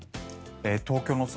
東京の空